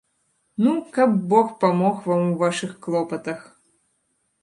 Ну, каб бог памог вам у вашых клопатах!